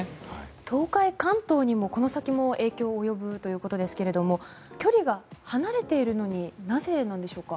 東海、関東にもこの先影響が及ぶということですが距離が離れているのになぜなんでしょうか。